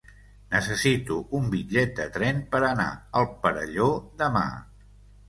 Necessito un bitllet de tren per anar al Perelló demà.